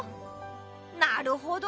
なるほど！